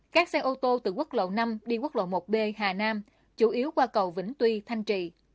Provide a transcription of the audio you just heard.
các xe ô tô từ quốc lộ năm đi quốc lộ một b hà nam chủ yếu qua cầu vĩnh tuy thanh trì